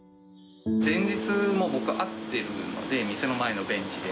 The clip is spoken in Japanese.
前日も僕、会ってるので、店の前のベンチで。